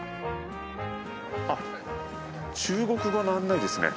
あっ中国語の案内ですね。